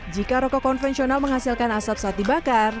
jika rokok konvensional menghasilkan asap saat dibakar